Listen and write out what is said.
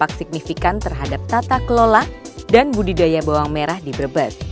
dampak signifikan terhadap tata kelola dan budidaya bawang merah di brebes